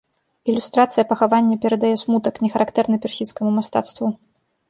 Ілюстрацыя пахавання перадае смутак, не характэрны персідскаму мастацтву.